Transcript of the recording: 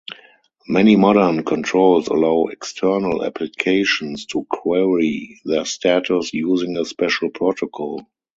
Many modern controls allow external applications to query their status using a special protocol.